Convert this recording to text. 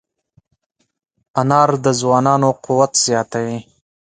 انار د ځوانانو قوت زیاتوي.